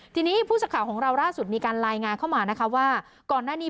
ทีนี้ผู้สักข่าวของเราล่าสุดมีการรายงานเข้ามานะคะว่าก่อนหน้านี้